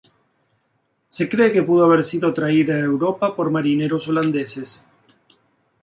Se cree que pudo haber sido traída a Europa por marineros holandeses.